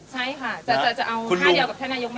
ใช่ค่ะ